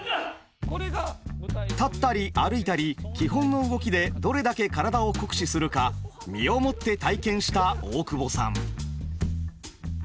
立ったり歩いたり基本の動きでどれだけ体を酷使するか身をもって体験した大久保さん。